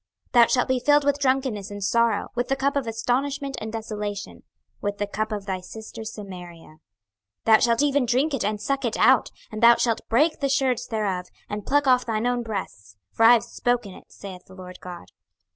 26:023:033 Thou shalt be filled with drunkenness and sorrow, with the cup of astonishment and desolation, with the cup of thy sister Samaria. 26:023:034 Thou shalt even drink it and suck it out, and thou shalt break the sherds thereof, and pluck off thine own breasts: for I have spoken it, saith the Lord GOD.